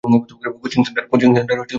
Coaching সেন্টারের record.